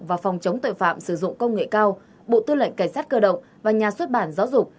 và phòng chống tội phạm sử dụng công nghệ cao bộ tư lệnh cảnh sát cơ động và nhà xuất bản giáo dục